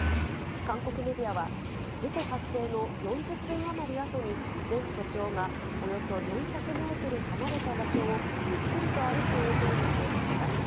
韓国メディアは、事故発生の４０分余りあとに前署長がおよそ４００メートル離れた場所をゆっくりと歩く映像を報じました。